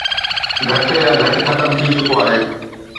گهٽ يا گهٽ ختم ٿي چڪو آهي